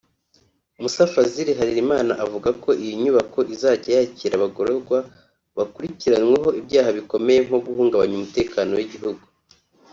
Musa Fazil Harelimana avuga ko iyo nyubako izajya yakira abagororwa bakurikiranweho ibyaha bikomeye nko guhungabanya umutekano w’igihugu